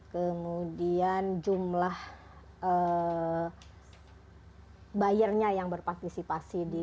kemudian jumlah bayarnya yang berpartisipasi di umkm